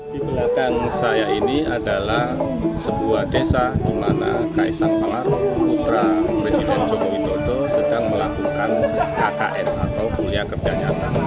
di belakang saya ini adalah sebuah desa di mana kaisang pangaru putra presiden joko widodo sedang melakukan kkn atau kuliah kerja nyata